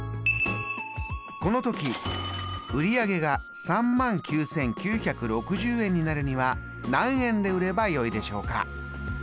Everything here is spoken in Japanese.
この時売り上げが３万９，９６０円になるには何円で売ればよいでしょうか？